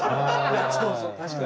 そうそう確かに。